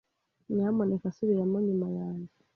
Nyamuneka subiramo nyuma yanjye.